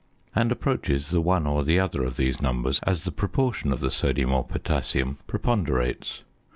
and approaches the one or the other of these numbers as the proportion of the sodium or potassium preponderates.